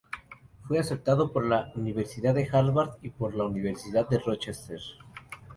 Fue aceptado por la Universidad de Harvard y por la Universidad de Rochester.